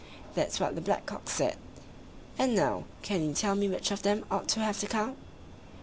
That's what the Black cock said. And now, can you tell me which of them ought to have the cow?